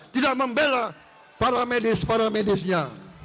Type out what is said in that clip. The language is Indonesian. tidak membela para medis para medisnya